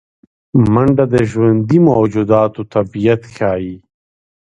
منډه د ژوندي موجوداتو طبیعت ښيي